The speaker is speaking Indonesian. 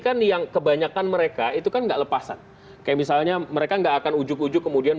kan yang kebanyakan mereka itu kan enggak lepasan kayak misalnya mereka nggak akan ujuk ujuk kemudian